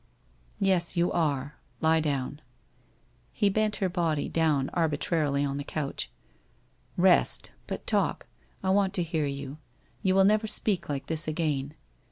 1 Yes, you are. Lie down.' He bent her body down arbi trarily on the couch. ' Rest. But talk. I want to hear you. You will never speak like this again.